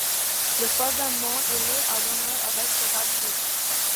Le foisonnement est à l'honneur avec cet artiste.